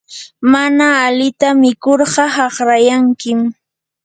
mana alita mikurqa haqrayankim.